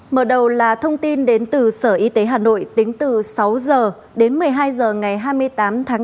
mở đầu là thông tin đến từ sở y tế hà nội tính từ sáu h đến một mươi hai h ngày hai mươi tám tháng bốn